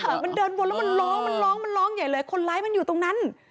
มันเดินวนแล้วมันร้องมันร้องมันร้องใหญ่เลยคนร้ายมันอยู่ตรงนั้น